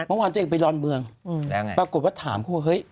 เมื่อวานตัวเองไปดอนเมืองปรากฏว่าถามเขาว่าเฮ้ย